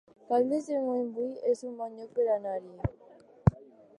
Caldes de Montbui es un bon lloc per anar-hi